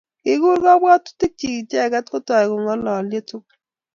Kikur kabwatutikchi icheget kotoi kongolyo tugul